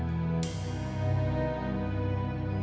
tidak ada yang bisa diberikan